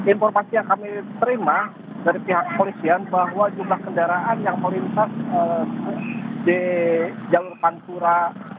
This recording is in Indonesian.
informasi yang kami terima dari pihak polisian bahwa jumlah kendaraan yang melintas di jalur pantura